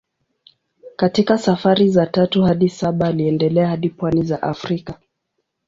Katika safari za tatu hadi saba aliendelea hadi pwani za Afrika.